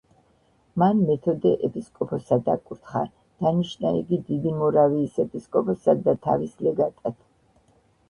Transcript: მან მეთოდე ეპისკოპოსად აკურთხა, დანიშნა იგი დიდი მორავიის ეპისკოპოსად და თავის ლეგატად.